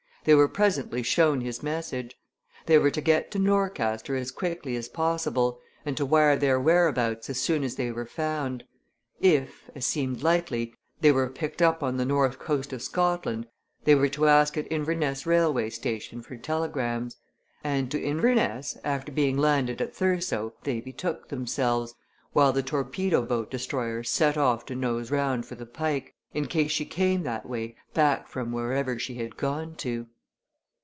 They were presently shown his message. They were to get to Norcaster as quickly as possible, and to wire their whereabouts as soon as they were found. If, as seemed likely, they were picked up on the north coast of Scotland, they were to ask at Inverness railway station for telegrams. And to Inverness after being landed at Thurso they betook themselves, while the torpedo boat destroyer set off to nose round for the Pike, in case she came that way back from wherever she had gone to.